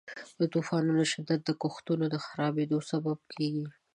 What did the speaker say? د طوفانونو شدت د کښتونو د خرابیدو سبب کیږي.